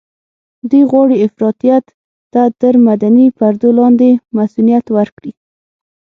دوی غواړي افراطيت ته تر مدني پردو لاندې مصؤنيت ورکړي.